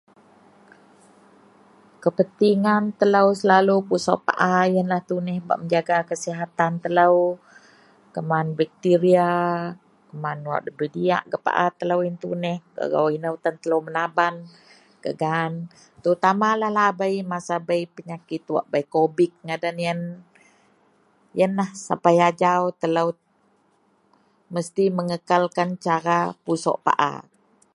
Kepentingan telou selalu pusok paa yenlah tuneh bak mejaga kesihatan telou keman bakteria, keman wak ndabei diyak gak paa telou yen tuneh, inou tan telou menaban gak gaan terutamalah lahabei masa bei penyakit wak bei kobid ngadan yen. Yenlah sapai ajau telou mesti mengekalkan cara pusok paa